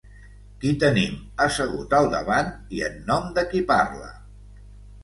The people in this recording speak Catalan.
Qui tenim assegut al davant i en nom de qui parla?